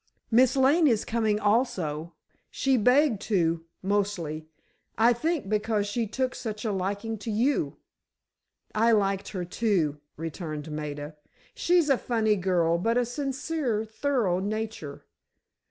Miss Lane is coming also, she begged to, mostly, I think, because she took such a liking to you." "I liked her, too," returned Maida; "she's a funny girl but a sincere, thorough nature."